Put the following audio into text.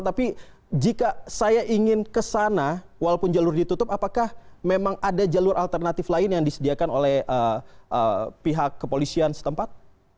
tapi jika saya ingin kesana walaupun jalur ditutup apakah memang ada jalur alternatif lain yang disediakan oleh pihak kepolisian setempat